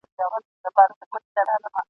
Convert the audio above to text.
په ماښام وو په هګیو نازولی ..